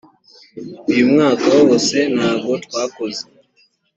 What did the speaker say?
uyu mwaka wose ntago twakoze